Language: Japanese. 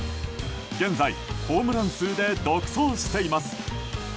現在、ホームラン数で独走しています。